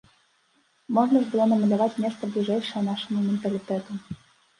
Можна ж было намаляваць нешта бліжэйшае нашаму менталітэту.